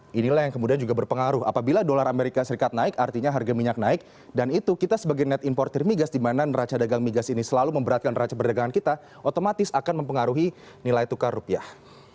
jadi inilah yang kemudian juga berpengaruh apabila dolar amerika serikat naik artinya harga minyak naik dan itu kita sebagai net importer migas dimana raca dagang migas ini selalu memberatkan raca perdagangan kita otomatis akan mempengaruhi nilai tukar rupiah